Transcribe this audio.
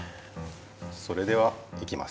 それではいきます。